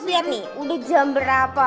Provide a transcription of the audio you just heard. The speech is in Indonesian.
biar nih udah jam berapa